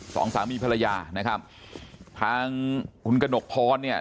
สองสามีภรรยานะครับทางคุณกระหนกพรเนี่ย